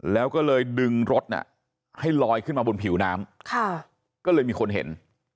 แล้วก็เลยดึงรถให้ลอยขึ้นมาบนผิวน้ำก็เลยมีคนเห็น